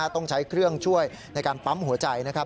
ต้องใช้เครื่องช่วยในการปั้มหัวใจ